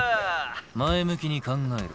前向きに考える。